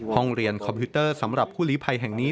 ห้องเรียนคอมพิวเตอร์สำหรับผู้หลีภัยแห่งนี้